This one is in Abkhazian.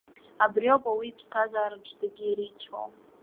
Абри ауп ауаҩы иԥсҭазаараҿ зегьы иреицәоу.